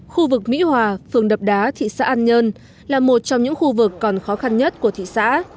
khu vực mỹ hòa phường đập đá thị xã an nhơn là một trong những khu vực còn khó khăn nhất của thị xã